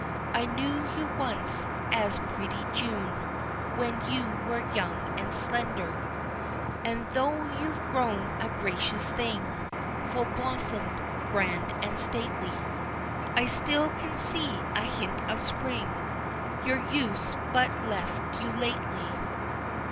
"I knew you once as pretty June, When you were young and slender. And though you've grown a gracious thing, Full blossomed, grand and stately, I still can see a hint of spring Your youth's but left you lately."